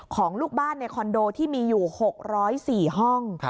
ของลูกบ้านในคอนโดที่มีอยู่๖๐๔ห้อง